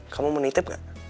kamu mau nitip gak